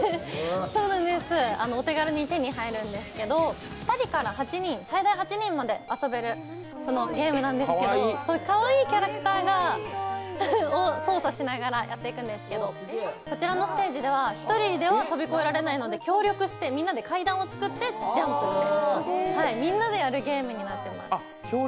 お手軽に手に入るんですけど、２人から最大８人まで遊べるゲームなんですけど、かわいいキャラクターを操作しながらやっていくんですけど、こちらのステージでは１人では跳び越えられないので協力してみんなで階段を作ってジャンプしたりとかみんなでやるゲームになってます。